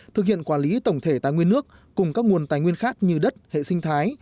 thực hiện quản lý tổng thể tài nguyên nước cùng các nguồn tài nguyên khác như đất hệ sinh thái